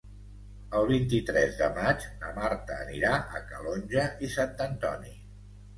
El vint-i-tres de maig na Marta anirà a Calonge i Sant Antoni.